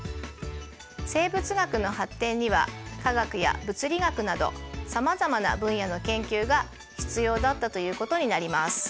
生物学の発展には化学や物理学などさまざまな分野の研究が必要だったということになります。